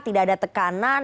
tidak ada tekanan